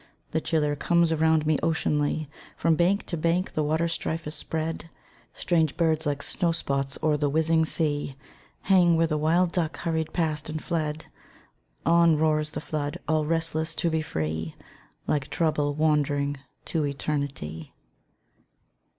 The chill air comes around me oceanly, From bank to bank the waterstrife is spread; Strange birds like snowspots oer the whizzing sea Hang where the wild duck hurried past and fled. On roars the flood, all restless to be free, Like Trouble wandering to Eternity.